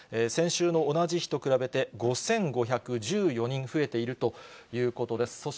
先週の同じ日と比べて５５１４人増えているということです。